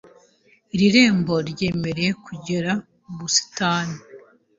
Iri rembo ryemerera kugera mu busitani .